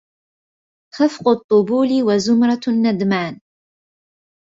خفق الطبول وزمرة الندمان